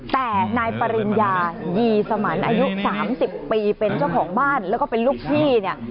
แต่นายปริญญายีสมันอายุ๓๐ปีเป็นเจ้าของบ้านแล้วก็เป็นลูกพี่เนี่ย